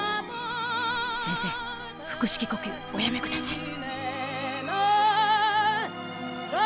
先生腹式呼吸おやめください。